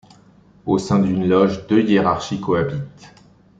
Au sein d'une loge deux hiérarchies cohabitent.